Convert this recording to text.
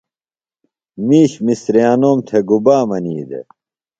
مِیش مِسریانوم تھےۡ گُبا منی دےۡ؟